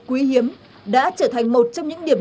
quý hiếm đã trở thành một trong những điểm